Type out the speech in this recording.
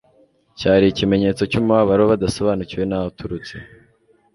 cyari ikimenyetso cy'umubabaro badasobanukiwe n'aho uturutse.